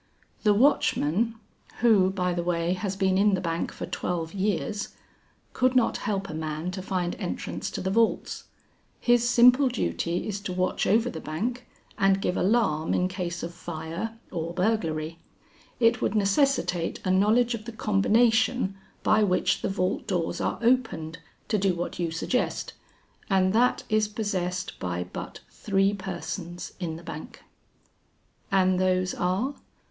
"The watchman who by the way has been in the bank for twelve years could not help a man to find entrance to the vaults. His simple duty is to watch over the bank and give alarm in case of fire or burglary. It would necessitate a knowledge of the combination by which the vault doors are opened, to do what you suggest, and that is possessed by but three persons in the bank." "And those are?"